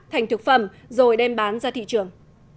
thành thực phẩm rồi đem bán ra thị trường